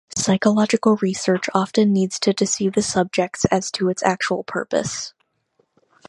Psychological research often needs to deceive the subjects as to its actual purpose.